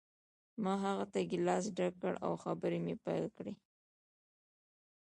ما هغه ته ګیلاس ډک کړ او خبرې مې پیل کړې